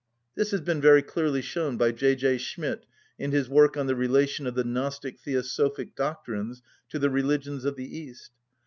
This has been very clearly shown by J.J. Schmidt in his work on the relation of the Gnostic‐theosophic doctrines to the religions of the East.